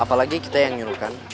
apalagi kita yang nyuruhkan